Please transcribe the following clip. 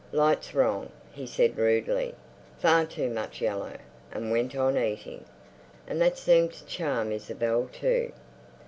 "Light's wrong," he said rudely, "far too much yellow"; and went on eating. And that seemed to charm Isabel, too.